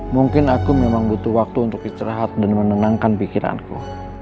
mungkin aku memang butuh waktu untuk istirahat dan menenangkan pikiranku